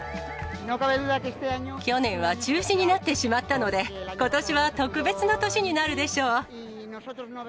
去年は中止になってしまったので、ことしは特別な年になるでしょう。